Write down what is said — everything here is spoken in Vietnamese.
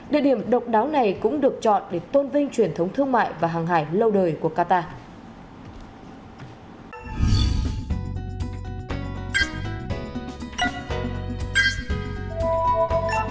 địa điểm độc đáo này cũng được chọn để tôn vinh truyền thống thương mại và hàng hải lâu đời của qatar